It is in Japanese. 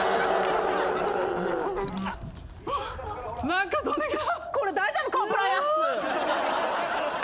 何か飛んできた。